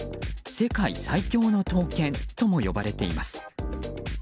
世界最強の闘犬とも呼ばれています。